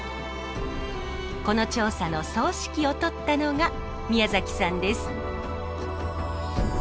この調査の総指揮を執ったのが宮崎さんです。